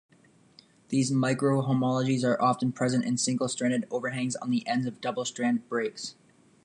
These microhomologies are often present in single-stranded overhangs on the ends of double-strand breaks.